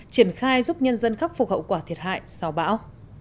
triển khai giúp nhân dân khắc phục hậu quả thiệt hại sau bão